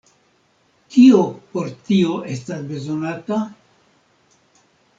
Kio por tio estas bezonata?